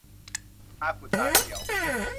ตาขุ่นตาเขียว